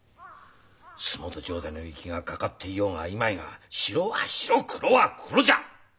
洲本城代の息がかかっていようがいまいが白は白黒は黒じゃ！